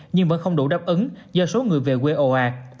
nhưng vẫn không đủ đáp ứng do số người về quê ồ ạt